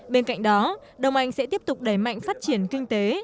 bên cạnh đó đông anh sẽ tiếp tục đẩy mạnh phát triển kinh tế